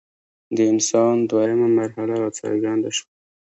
د انسان دویمه مرحله راڅرګنده شوه.